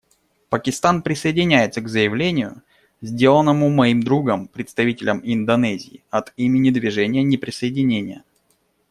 Пакистан присоединяется к заявлению, сделанному моим другом — представителем Индонезии — от имени Движения неприсоединения.